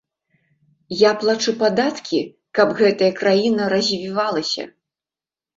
Я плачу падаткі, каб гэтая краіна развівалася.